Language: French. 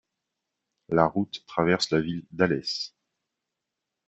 La route traverse la ville d'Alès.